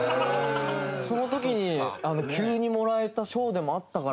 その時に急にもらえた賞でもあったから。